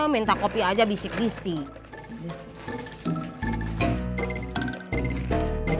minta kopi aja bisik bisik